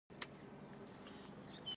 مځکه طبیعي زیرمې لري.